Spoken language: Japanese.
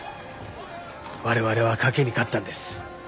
我々は賭けに勝ったんです。